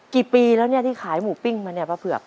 กี่ปีแล้วเนี่ยที่ขายหมูปิ้งมาเนี่ยป้าเผือก